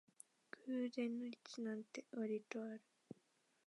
偶然の一致なんてわりとある